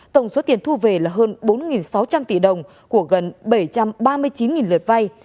tổng số tiền thu về là hơn bốn sáu trăm linh tỷ đồng của gần bảy trăm ba mươi chín lượt vay